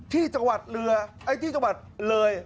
ที่จังหวัดเรือไอ้ที่จังหวัดเลย